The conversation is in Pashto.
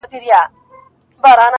• غوټۍ مي وسپړلې -